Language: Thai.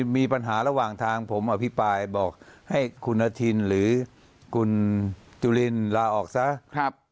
มีปัญหาระหว่างทางผมอภิปรายบอกให้คุณอาทินหรือคุณจุลินลาออกซะ